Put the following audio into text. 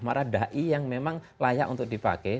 mana dai yang memang layak untuk dipakai